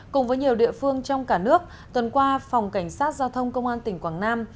cùng với nhiều địa phương trong cả nước tuần qua phòng cảnh sát giao thông công an tỉnh quảng nam